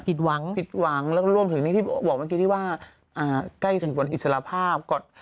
ผิดหวังแล้วก็รวมถึงบอกเมื่อกี้ที่ว่าใกล้ถึงผลอิสระภาพก่อน